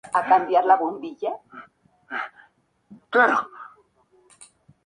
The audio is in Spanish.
es una opción para poder acceder al servicio con más seguridad